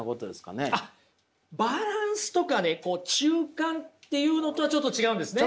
あっバランスとかね中間っていうのとはちょっと違うんですね。